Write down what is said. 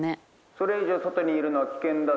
「それ以上外にいるのは危険だぞ。